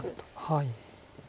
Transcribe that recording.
はい。